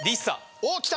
おっきた！